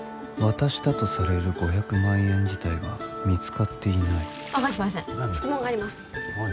渡したとされる５００万円自体は見つかっていない明石パイセン質問があります何？